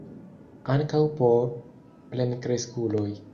Ankaŭ por plenkreskuloj!